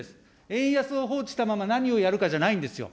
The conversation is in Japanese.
円安を放置したまま何をやるかじゃないんですよ。